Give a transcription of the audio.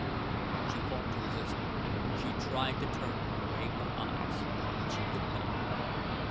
She fought to resist it; she tried to turn away her eyes, but she could not.